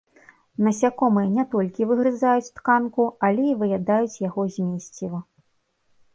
Насякомыя не толькі выгрызаюць тканку, але і выядаюць яго змесціва.